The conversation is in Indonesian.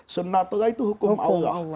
sunnatullah itu hukum allah